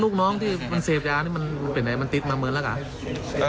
ลูกน้องที่มันเสพยานี่มันเป็นไงมันติดมาเหมือนหรือเปล่า